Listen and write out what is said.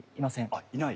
あっいない。